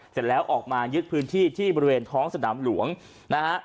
เสร็จแล้วออกมายึดพื้นที่ที่บริเวณท้องสนามหลวงนะฮะ